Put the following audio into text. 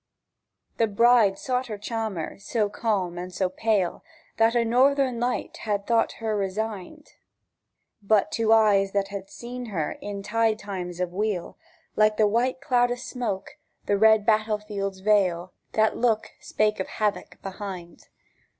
The bride sought her cham'er so calm and so pale That a Northern had thought her resigned; But to eyes that had seen her in tide times of weal, Like the white cloud o' smoke, the red battle field's vail, That look spak' of havoc behind.